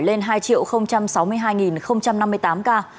lên hai sáu mươi hai năm mươi tám ca